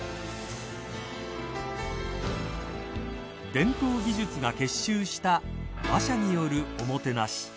［伝統技術が結集した馬車によるおもてなし］